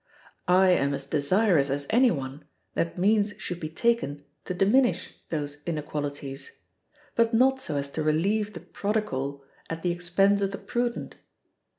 I am as desirous as any one that means should be taken to diminish those inequalities, but not so as to relieve the prodigal at the expense of the prudent.